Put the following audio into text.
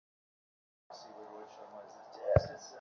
হুম, বেশ ভালো লেগেছে।